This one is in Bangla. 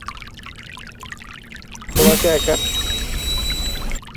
তোমাকে একা রেখে যাওয়াই ঠিক হয়নি।